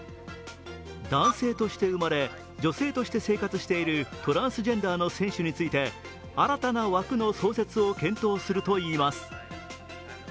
男性として生まれ、女性として生活しているトランスジェンダーの選手について新たな枠の創設を検討するといいます。